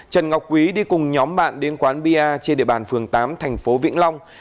trần ngọc quý đi cùng nhóm bạn đến quán bia trên địa bàn phường tám thành phố vĩnh long